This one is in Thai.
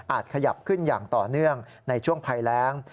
ขยับขึ้นอย่างต่อเนื่องในช่วงภัยแรง